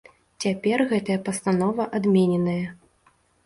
Цяпер гэтая пастанова адмененая.